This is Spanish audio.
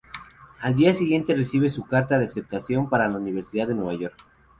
Al día siguiente recibe su carta de aceptación para la Universidad de Nueva York.